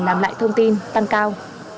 làm lại thông tin tăng cao